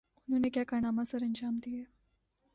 انہوں نے کیا کارنامے سرانجام دئیے؟